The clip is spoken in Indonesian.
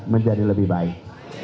menjadi lebih baik